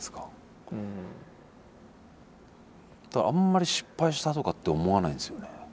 だからあまり失敗したとかって思わないんですよね。